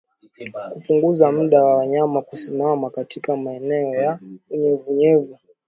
Kupunguza muda wa wanyama kusimama katika maeneo ya unyevunyevu